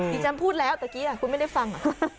ฉันพูดแล้วตะกี้คุณไม่ได้ฟัง